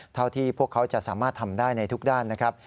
เท่าที่พวกเขาจะสามารถทำได้ในทุกด้านนะครับ